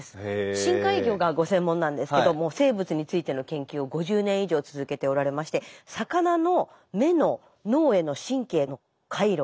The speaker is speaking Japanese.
深海魚がご専門なんですけども生物についての研究を５０年以上続けておられまして終わらない。